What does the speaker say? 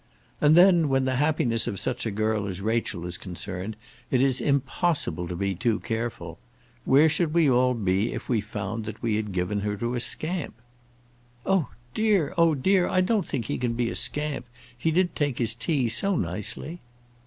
"And then, when the happiness of such a girl as Rachel is concerned, it is impossible to be too careful. Where should we all be if we found that we had given her to a scamp?" "Oh dear, oh dear! I don't think he can be a scamp; he did take his tea so nicely."